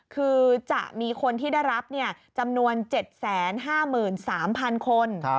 คือจะมีคนที่ได้รับจำนวน๗๕๓๐๐๐คน